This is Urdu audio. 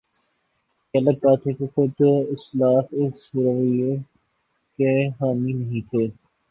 یہ الگ بات کہ خود اسلاف اس رویے کے حامی نہیں تھے۔